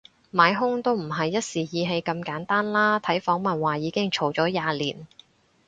買兇都唔係一時意氣咁簡單啦，睇訪問話已經嘈咗廿年